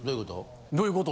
どういうこと？